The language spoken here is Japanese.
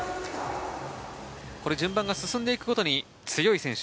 順番が進んでいくごとに強い選手。